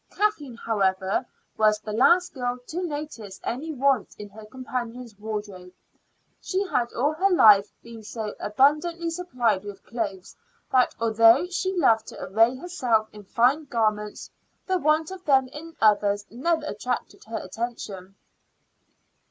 Kathleen, however, was the last girl to notice any want in her companion's wardrobe. She had all her life been so abundantly supplied with clothes that, although she loved to array herself in fine garments, the want of them in others never attracted her attention.